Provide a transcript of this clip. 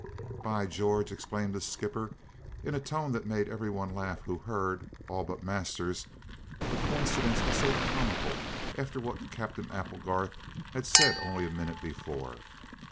"By George!" exclaimed the skipper in a tone that made every one laugh who heard, all but Masters; the coincidence was so comical after what Captain Applegarth had said only a minute before.